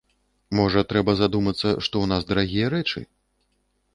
Можа трэба задумацца, што ў нас дарагія рэчы?